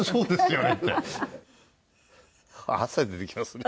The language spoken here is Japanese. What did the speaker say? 汗出てきますね。